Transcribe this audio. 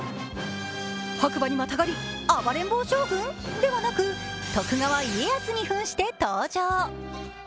白馬にまたがり暴れん坊将軍？ではなく徳川家康にふんして登場。